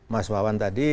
mas wawan tadi